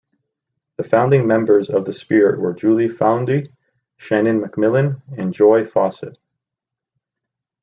The founding members of the Spirit were Julie Foudy, Shannon MacMillan and Joy Fawcett.